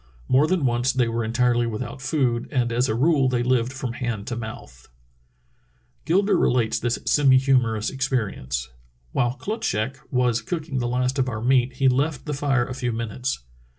More than once they were entirely without food, and as a rule they lived from hand to mouth. Gilder relates this semi humorous experience: "While Klutschak was cooking the last of our meat he left the fire a few minutes.